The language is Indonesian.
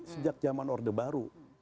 sejak zaman orde baru